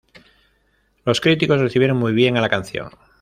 Los críticos recibieron muy bien a la canción.